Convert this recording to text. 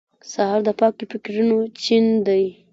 سهار د پاکو فکرونو چین دی.